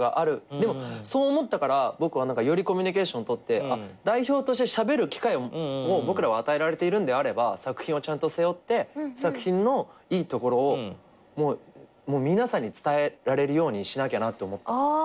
でもそう思ったから僕よりコミュニケーションとって代表としてしゃべる機会を僕らは与えられてるんであれば作品をちゃんと背負って作品のいいところを皆さんに伝えられるようにしなきゃなって思った。